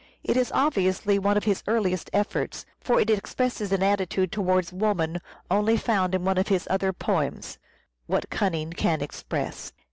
Romeo *" It is obviously one of his earliest efforts, for it expresses an attitude towards woman only found in one other of his poems, "What Cunning Can Express?"